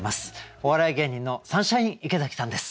お笑い芸人のサンシャイン池崎さんです。